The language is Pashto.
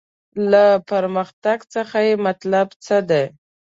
له پرمختګ څخه یې مطلب څه دی.